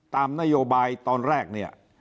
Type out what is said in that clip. ตามนโยบายตอนแรกเนี่ย